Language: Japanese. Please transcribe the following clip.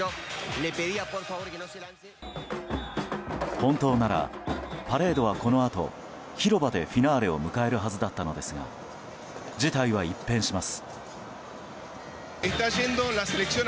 本当ならパレードはこのあと広場でフィナーレを迎えるはずだったのですが事態は一変します。